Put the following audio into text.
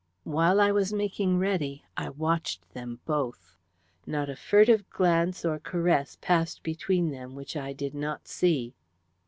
While I was making ready I watched them both. Not a furtive glance or caress passed between them which I did not see.